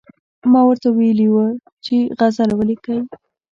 ما ورته ویلي ول چې غزل ولیکئ.